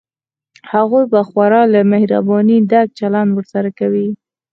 هغوی به خورا له مهربانۍ ډک چلند ورسره کوي.